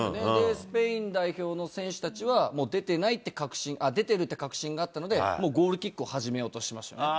スペイン代表の選手たちは、もう出てるっていう確信があったので、もうゴールキックを始めようとしてましたね。